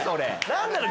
何なの？